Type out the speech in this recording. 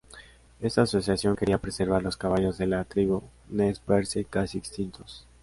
Esta asociación quería preservar los caballos de la tribu Nez Perce casi extintos.